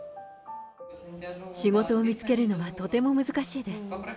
仕事を見つけるのはとても難しいです。